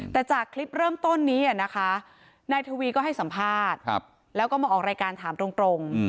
แต่จากคลิปเริ่มต้นนี้นะคะนายทวีก็ให้สัมภาษณ์แล้วก็มาออกรายการถามตรง